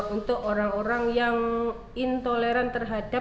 untuk orang orang yang intoleran terhadap